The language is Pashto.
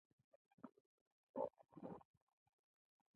هڅه وکړئ، هر حرف له خپل مخرج او کلیمه واضیح تلفظ کړئ!